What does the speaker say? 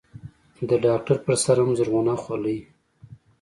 د ډاکتر پر سر هم زرغونه خولۍ.